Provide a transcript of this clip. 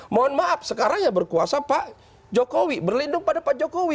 mohon maaf sekarang ya berkuasa pak jokowi berlindung pada pak jokowi